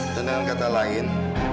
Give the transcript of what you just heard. dan dengan kata lain